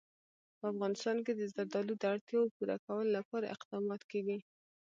په افغانستان کې د زردالو د اړتیاوو پوره کولو لپاره اقدامات کېږي.